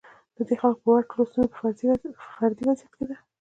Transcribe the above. د دې خلکو په باور ټوله ستونزه په فردي وضعیت کې ده.